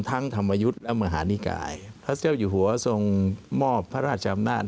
ธรรมยุทธ์และมหานิกายพระเจ้าอยู่หัวทรงมอบพระราชอำนาจ